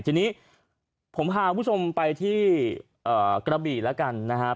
ทีนี้ผมพาผู้ชมไปที่กระบีละกันนะฮะ